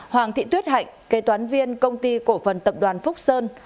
hoàng thị tuyết hạnh kế toán viên công ty cổ phần tập đoàn phúc sơn